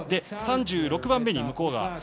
３６番目に向川。